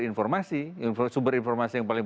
informasi sumber informasi yang paling